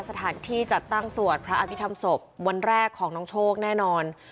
สถานที่จัดตั้งสวดพระอภิษฐรรมศพวันแรกของน้องโชคแน่นอน